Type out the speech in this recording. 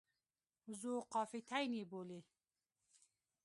ذوقافیتین یې بولي.